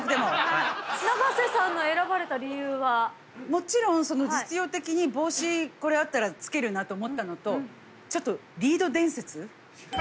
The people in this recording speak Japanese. もちろん実用的に帽子あったら着けるなと思ったのとリード伝説？